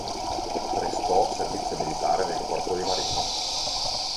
Prestò servizio militare nel Corpo dei Marine.